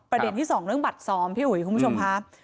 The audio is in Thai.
ประเด็นที่สองเรื่องบาดซ้อมพี่ห่วยคุณผู้ชมครับ